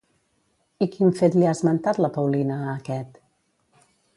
I quin fet li ha esmentat la Paulina a aquest?